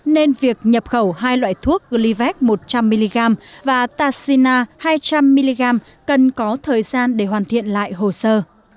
nên việc nhập khẩu hai loại thuốc glyvac một trăm linh mg và tashina hai trăm linh mg cần có thời gian để hoàn thiện lại hồ sơ